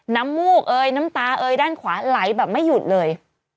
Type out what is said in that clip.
มูกเอยน้ำตาเอยด้านขวาไหลแบบไม่หยุดเลย